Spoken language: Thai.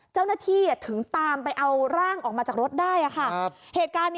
เจ้าหน้าที่ถึงตามไปเอาร่างออกมาจากรถได้ค่ะ